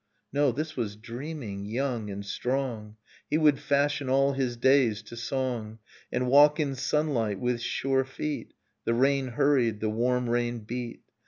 — No, this was dreaming; young and strong, He would fashion all his days to song. And walk in sunlight with sure feet. The rain hurried ... The warm rain beat ..